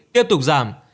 tiếp tục giảm